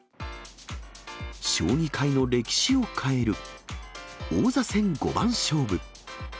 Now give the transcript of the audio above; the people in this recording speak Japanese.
将棋界の歴史を変える王座戦五番勝負。